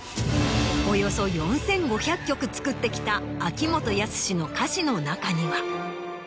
およそ４５００曲作ってきた秋元康の歌詞の中には。